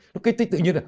nó kích thích tự nhiên là